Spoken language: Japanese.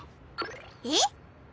えっ？